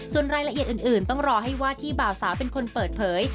ส่วนรายละเอียดอื่นต้องรอให้ว่าที่บ่าวสาวเป็นคนเปิดเผย